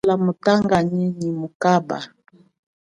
Zala mutanganyi nyi mukaba.